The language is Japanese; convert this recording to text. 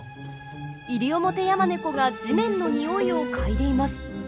イリオモテヤマネコが地面のニオイをかいでいます。